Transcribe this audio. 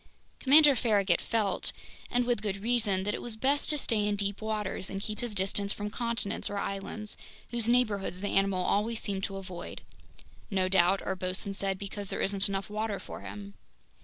Commander Farragut felt, and with good reason, that it was best to stay in deep waters and keep his distance from continents or islands, whose neighborhoods the animal always seemed to avoid—"No doubt," our bosun said, "because there isn't enough water for him!"